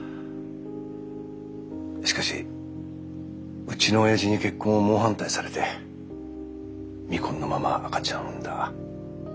しかしうちのおやじに結婚を猛反対されて未婚のまま赤ちゃんを産んだ。